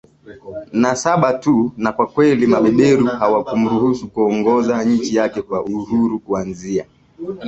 na Saba tu na kwa kweli mabeberu hawakumruhusu kuongoza nchi yake kwa uhuru kuanzia